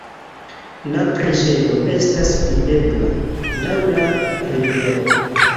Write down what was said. La preĝejo estas videbla laŭ la rivero.